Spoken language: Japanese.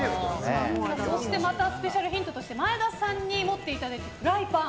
そしてまたスペシャルヒントとして前田さんに持っていただいたフライパン。